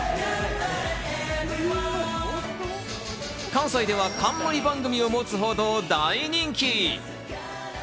関西では冠番組を持つほど大人気。